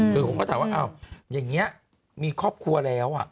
คือผมก็ถามว่าอ้าวอย่างนี้มีครอบครัวแล้ว